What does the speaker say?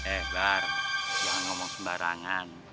eh bar ya ngomong sembarangan